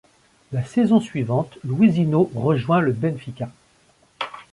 La saison suivante, Luisinho rejoint le Benfica.